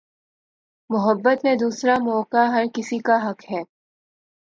محبت میں دوسرا موقع ہر کسی کا حق ہے